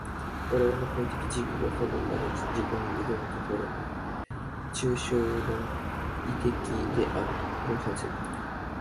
我々の行為的自己が過去から自己に臨む所に、抽象論理的である。これを反省という。